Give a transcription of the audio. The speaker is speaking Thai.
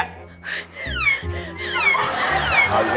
เอาอยู่แค่